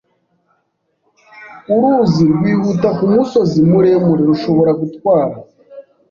Uruzi rwihuta kumusozi muremure rushobora gutwara